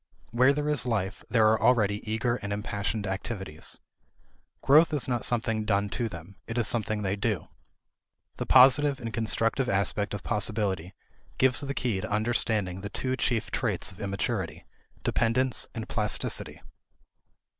Where there is life, there are already eager and impassioned activities. Growth is not something done to them; it is something they do. The positive and constructive aspect of possibility gives the key to understanding the two chief traits of immaturity, dependence and plasticity.